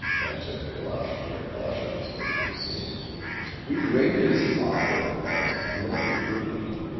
Than to blush where blushes would be seen— We'd rate his author as "Emerald green."